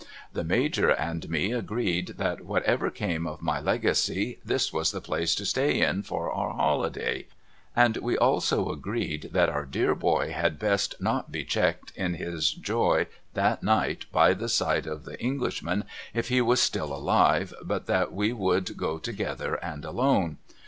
The Major and me agreed that whatever came of my Legacy this was the place to stay in for our holiday, and we also agreed that our dear boy had best not be checked in his joy that night by the sight of the Englishman if he was still alive, but that we would go together and alone.